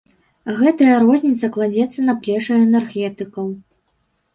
Гэтая розніца кладзецца на плечы энергетыкаў.